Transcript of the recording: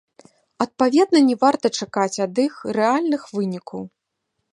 Адпаведна не варта чакаць ад іх рэальных вынікаў.